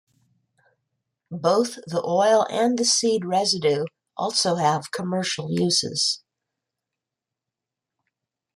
Both the oil and the seed residue also have commercial uses.